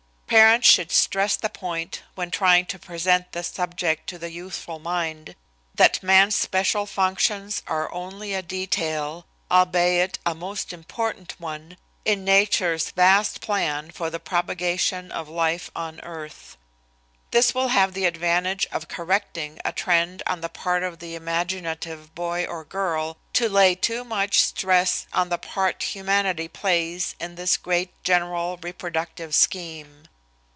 Parents should stress the point, when trying to present this subject to the youthful mind, that man's special functions are only a detail albeit a most important one in nature's vast plan for the propagation of life on earth. This will have the advantage of correcting a trend on the part of the imaginative boy or girl to lay too much stress on the part humanity plays in this great general reproductive scheme.